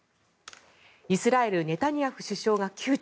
イスラエルネタニヤフ首相が窮地。